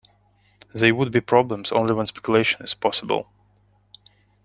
They would be problems only when speculation is possible.